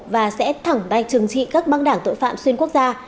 và sẽ thẳng tay trừng trị các băng đảng tội phạm xuyên quốc gia